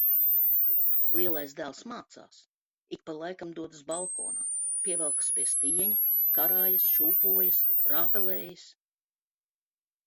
Lielais dēls mācās, ik pa laikam dodas balkonā, pievelkas pie stieņa, karājas, šūpojas, rāpelējas.